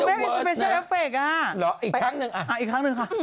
หรอกอีกครั้งหนึ่งอ่ะอีกครั้งหนึ่งค่ะ